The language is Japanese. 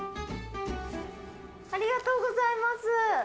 ありがとうございます。